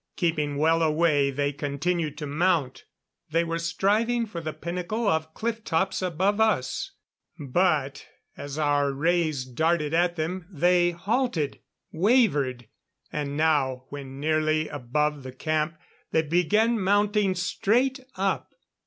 Keeping well away, they continued to mount. They were striving for the pinnacle of cliff tops above us; but as our rays darted at them they halted, wavered; and now when nearly above the camp, they began mounting straight up.